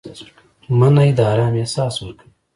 مني د آرام احساس ورکوي